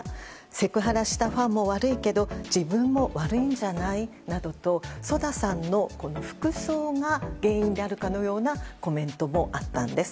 セクハラしたファンも悪いけど自分も悪いんじゃないなどとＳＯＤＡさんの服装が原因であるかのようなコメントもあったんです。